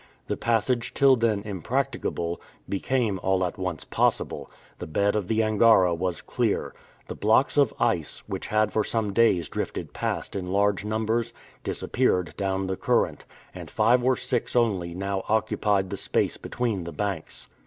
The passage till then impracticable, became all at once possible. The bed of the Angara was clear. The blocks of ice, which had for some days drifted past in large numbers, disappeared down the current, and five or six only now occupied the space between the banks.